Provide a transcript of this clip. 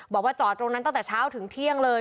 บอกว่าจอดตรงนั้นตั้งแต่เช้าถึงเที่ยงเลย